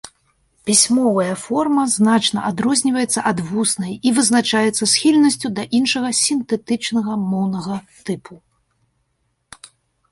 Пісьмовая форма значна адрозніваецца ад вуснай і вызначаецца схільнасцю да іншага, сінтэтычнага, моўнага тыпу.